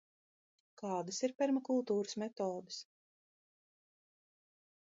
Kādas ir permakultūras metodes?